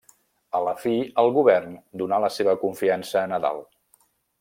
A la fi, el govern donà la seva confiança a Nadal.